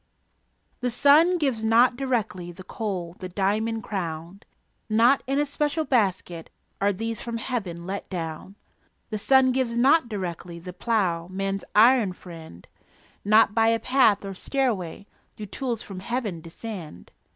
The sun gives not directly The coal, the diamond crown; Not in a special basket Are these from Heaven let down. The sun gives not directly The plough, man's iron friend; Not by a path or stairway Do tools from Heaven descend.